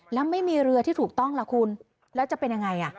แล้วไม่มีเรือที่ถูกต้องล่ะคุณแล้วจะเป็นยังไง